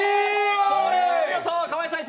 これはお見事、河井さん、一